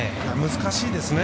難しいですね。